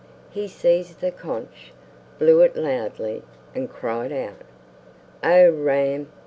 He seized the conch, blew it loudly, and cried out, "Oh Ram!